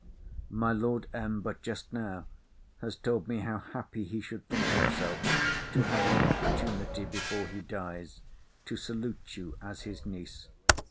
My Lord M. but just now has told me how happy he should think himself to have an opportunity, before he dies, to salute you as his niece.